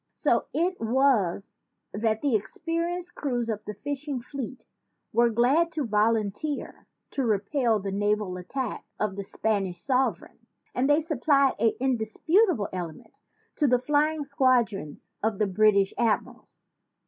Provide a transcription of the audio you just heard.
So it was that the experienced crews of the fishing fleet were glad to volunteer to repel the naval attack of the Spanish sover eign; and they supplied an indisputable element to the flying squadrons of the British ad mirals."